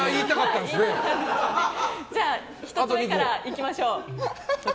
１つ目からいきましょう。